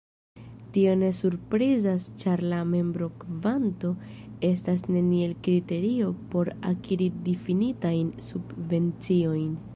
Tio ne surprizas ĉar la membrokvanto estas neniel kriterio por akiri difinitajn subvenciojn.